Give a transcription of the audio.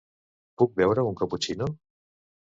Puc beure un caputxino?